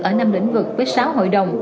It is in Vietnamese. ở năm lĩnh vực với sáu hội đồng